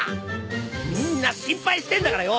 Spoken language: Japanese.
みんな心配してんだからよ。